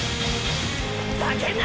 ざけんな！